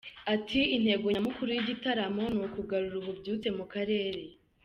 Ati "Intego nyamukuru y’igitaramo ni ukugarura ububyutse mu karere.